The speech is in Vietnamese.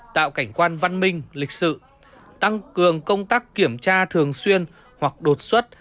tạo cảnh quan văn minh lịch sự tăng cường công tác kiểm tra thường xuyên hoặc đột xuất